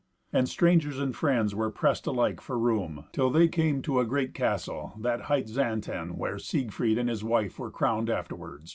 And strangers and friends were pressed alike for room, till that they came to a great castle that hight Xanten, where Siegfried and his wife were crowned afterward.